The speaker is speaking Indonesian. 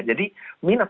jadi minat masyarakat